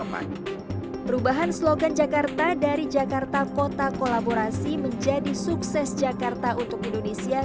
perubahan slogan jakarta dari jakarta kota kolaborasi menjadi sukses jakarta untuk indonesia